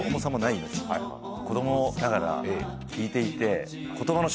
子供ながら聴いていて。